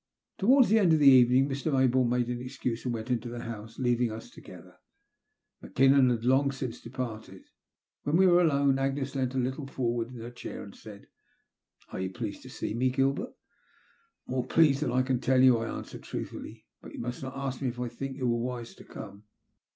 Towards the end of the evening, Mr. Mayboume made an excuse and went into the house, leaving us together. Mackinnon had long since departed. When we were alone, Agnes leant a little forward in her chair, and said :/ I TELL MT STOBT. 339 ••Are you pleased to see me, Gilbert?" More pleased than I can tell you/' I answered, truthfully. " But yon must not ask me if I think you were wise to come."